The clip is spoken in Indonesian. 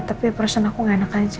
tapi person aku gak enak aja